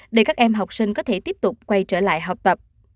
để các em học sinh có thể tiếp tục quay trở lại học tập